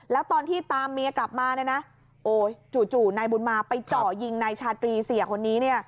แล้วตอนที่ตามเมียกลับมาเนี่ยนะโอ้ยจู่นายบุญมาไปเจาะยิงนายชาตรีเสียคนนี้เนี่ย